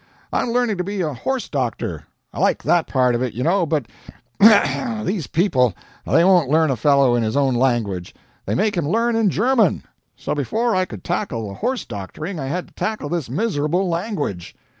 I'm learning to be a horse doctor! I LIKE that part of it, you know, but these people, they won't learn a fellow in his own language, they make him learn in German; so before I could tackle the horse doctoring I had to tackle this miserable language.